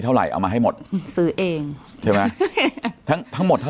เท่าไหร่เอามาให้หมดซื้อเองใช่ไหมทั้งทั้งหมดเท่า